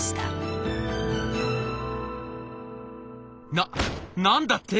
「な何だって！